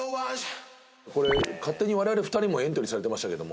これ勝手に我々２人もエントリーされてましたけども。